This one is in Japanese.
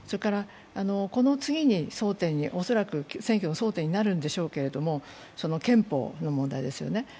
この次に恐らく選挙の争点になるんでしょうけれども、憲法の問題ですよね。